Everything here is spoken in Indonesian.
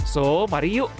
so mari yuk